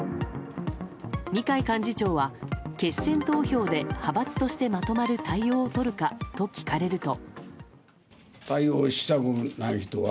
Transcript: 二階幹事長は決選投票で派閥としてまとまる対応をとるかと聞かれると。